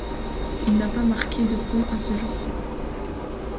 Il n'a pas marqué de points à ce jour.